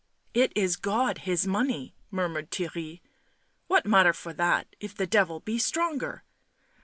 "It is God His money," murmured Theirry. " What matter for that, if the Devil be stronger?"